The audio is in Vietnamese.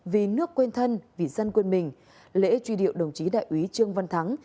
vì nước quên thân vì dân quên mình lễ truy điệu đồng chí đại úy trương văn thắng